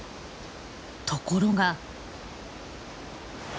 ところが。